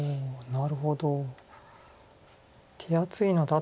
なるほど。